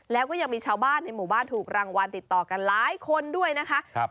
แล้วก็ยังมีชาวบ้านในหมู่บ้านถูกรางวัลติดต่อกันหลายคนด้วยนะคะ